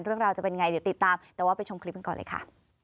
เราจะเป็นไงเดี๋ยวติดตามแต่ว่าไปชมคลิปกันก่อนเลยค่ะ